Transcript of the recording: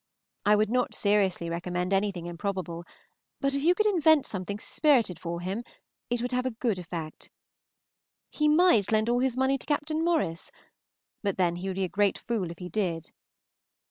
I would not seriously recommend anything improbable, but if you could invent something spirited for him, it would have a good effect. He might lend all his money to Captain Morris, but then he would be a great fool if he did.